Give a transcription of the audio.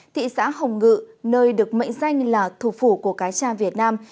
thị xã hồng ngự nơi được mệnh danh là thủ phủ của cá cha việt nam